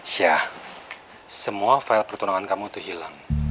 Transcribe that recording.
siah semua file pertunangan kamu tuh hilang